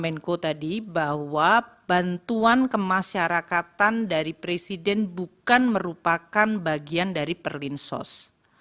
menko tadi bahwa bantuan kemasyarakatan dari presiden bukan merupakan bagian dari perlinsos